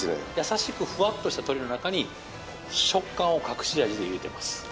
優しくフワッとした鶏の中に食感を隠し味で入れてます。